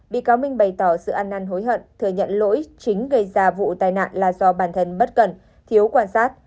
bị cáo minh bày tỏ sự ăn năn hối hận thừa nhận lỗi chính gây ra vụ tai nạn là do bản thân bất cần thiếu quan sát